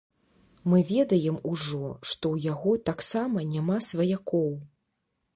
Мы ведаем ужо, што ў яго таксама няма сваякоў.